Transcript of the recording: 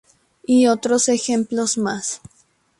Y otros ejemplos más.